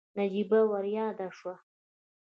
نجيبه ورياده شوه.